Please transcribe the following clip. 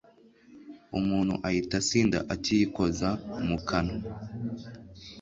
umuntu ahita asinda akiyikoza mu kanwa